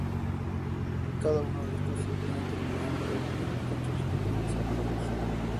Cada uno de estos se obtiene terminando el juego con sus respectivos análogos.